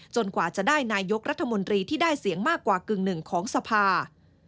กว่าจะได้นายกรัฐมนตรีที่ได้เสียงมากกว่ากึ่งหนึ่งของสภา